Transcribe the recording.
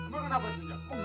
lu kenapa nunjang